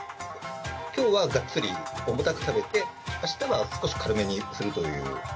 きょうはがっつり重たく食べて、あしたは少し軽めにするという。